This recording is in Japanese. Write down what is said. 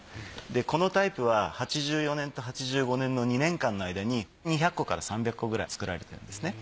このタイプは８４年と８５年の２年間の間に２００個から３００個くらい作られているんですね。